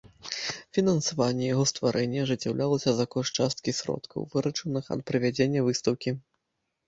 Фінансаванне яго стварэння ажыццяўлялася за кошт часткі сродкаў, выручаных ад правядзення выстаўкі.